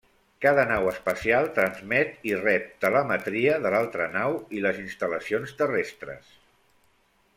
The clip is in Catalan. Cada nau espacial transmet i rep telemetria de l'altra nau i les instal·lacions terrestres.